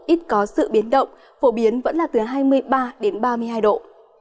ít có sự biến động phổ biến vẫn là từ hai mươi ba đến ba mươi hai độ